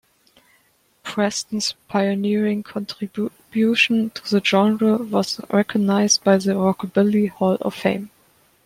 Preston's pioneering contribution to the genre was recognized by the Rockabilly Hall of Fame.